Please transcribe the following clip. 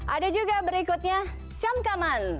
ada juga berikutnya camkaman